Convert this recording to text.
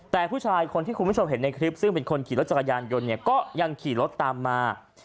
แต่ผู้ชายคนที่คุณผู้ชมเห็นในคลิปซึ่งเป็นคนขี่รถจักรยานยนต์เนี่ยก็ยังขี่รถตามมา